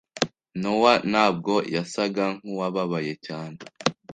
Nowa ntabwo yasaga nkuwababaye cyane.